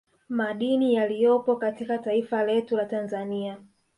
Madini yaliyopo katika taifa letu la Tanzania